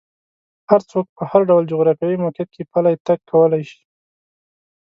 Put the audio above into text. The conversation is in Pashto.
هر څوک په هر ډول جغرافیایي موقعیت کې پلی تګ کولی شي.